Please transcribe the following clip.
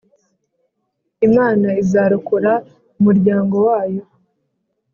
Imana izarokora umuryango wayo